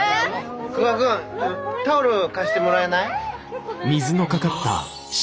久我君タオル貸してもらえない？